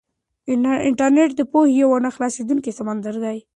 انټرنيټ د پوهې یو نه خلاصېدونکی سمندر دی.